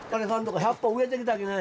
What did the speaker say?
１００本植えてきたきね。